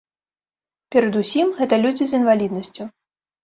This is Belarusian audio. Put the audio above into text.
Перадусім гэта людзі з інваліднасцю.